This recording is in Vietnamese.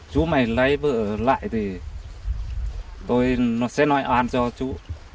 chú mày lấy vợ lại thì tôi nó sẽ nói oan cho chú